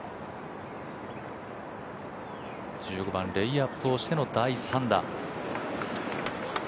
１５番、レイアップをしての第３打。